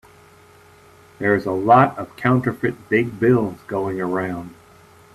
There's a lot of counterfeit big bills going around.